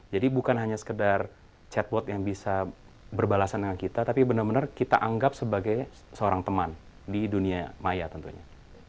jadi bukan hanya sekedar chatbot yang bisa berbalasan dengan kita tapi benar benar kita anggap sebagai seorang teman di dunia maya tentunya